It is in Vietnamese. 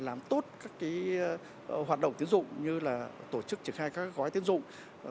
làm tốt các hoạt động tiến dụng như là tổ chức triển khai các gói tiến dụng